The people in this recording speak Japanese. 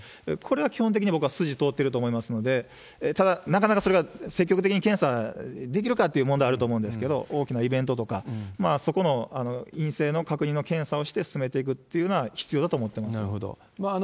これは基本的に僕は筋通ってると思いますので、ただ、なかなかそれが積極的に検査できるかっていう問題あると思いますけれども、大きなイベントとか、そこの陰性の確認の検査をして進めていくっていうのは必要だと思なるほど。